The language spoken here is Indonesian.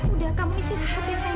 udah kamu istirahat ya sayang